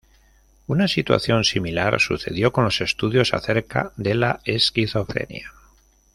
Una situación similar sucedió con los estudios acerca de la esquizofrenia.